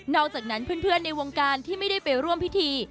อกจากนั้นเพื่อนในวงการที่ไม่ได้ไปร่วมพิธี